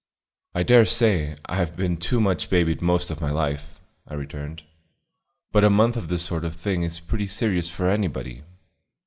"I dare say I've been too much babied most of my life," I returned; "but a month of this sort of thing is pretty serious for anybody."